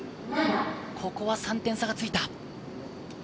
ここは３点差がついた。